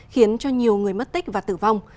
khiến cho nhiều người mất tích và tử vong